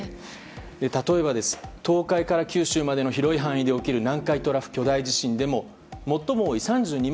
例えば、東海から九州までの広い範囲で起きる南海トラフ巨大地震でも最も多い３２万